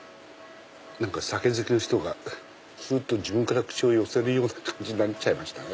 酒好きの人が自分から口を寄せるような感じになっちゃいましたね。